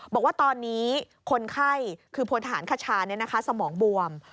บอกว่าตอนนี้คนไข้คือพลทหารคชาสมองบวม